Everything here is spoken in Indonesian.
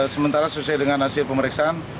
sementara sesuai dengan hasil pemeriksaan